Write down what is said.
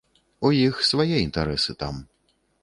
У іх свае інтарэсы там.